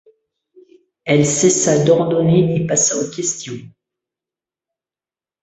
Elle cessa d’ordonner et passa aux questions.